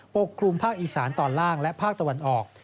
กลุ่มภาคอีสานตอนล่างและภาคตะวันออก